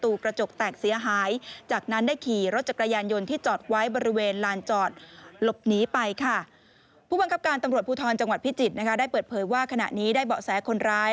ว่าขณะนี้ได้เบาะแสคนร้าย